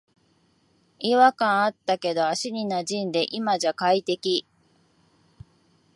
違和感あったけど足になじんで今じゃ快適